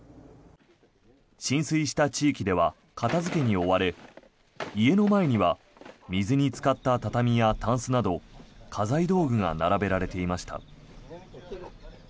浸水した地域では片付けに追われ家の前には水につかった畳やたんすなど家財道具が並べられていました。